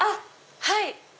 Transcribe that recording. はい！